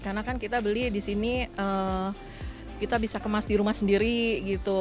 karena kan kita beli disini kita bisa kemas di rumah sendiri gitu